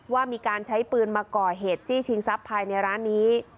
ว่ามีการใช้ปืนมาก่อเหตุจี้ชิงทรัพย์ภายในร้านนี้